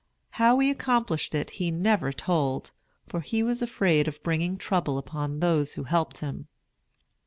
How he accomplished it he never told, for he was afraid of bringing trouble upon those who helped him.